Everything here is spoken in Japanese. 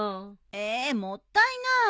えもったいない。